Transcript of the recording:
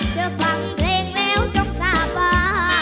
เธอฟังเพลงแล้วจงสาบา